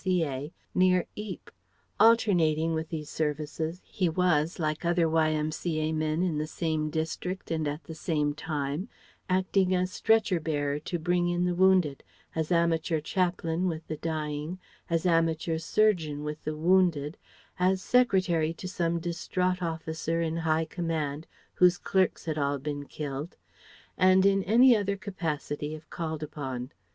C.A., near Ypres. Alternating with these services, he was, like other Y.M.C.A. men in the same district and at the same time, acting as stretcher bearer to bring in the wounded, as amateur chaplain with the dying, as amateur surgeon with the wounded, as secretary to some distraught officer in high command whose clerks had all been killed; and in any other capacity if called upon.